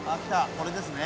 これですね。